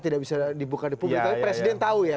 tidak bisa dibuka di publik tapi presiden tahu ya